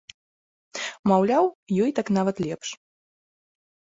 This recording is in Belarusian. Маўляў, ёй так нават лепш.